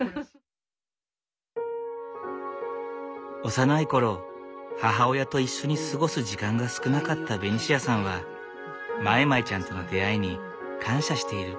幼い頃母親と一緒に過ごす時間が少なかったベニシアさんはまいまいちゃんとの出会いに感謝している。